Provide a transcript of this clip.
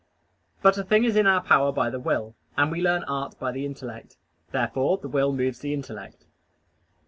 But a thing is in our power by the will, and we learn art by the intellect. Therefore the will moves the intellect.